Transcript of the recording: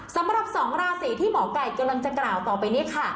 สำหรับ๒ราศีที่หมอไก่กำลังจะกล่าวต่อไปเนี่ยค่ะ